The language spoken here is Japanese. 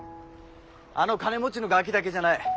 あの金持ちのガキだけじゃない。